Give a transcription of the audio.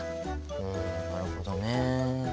うんなるほどね。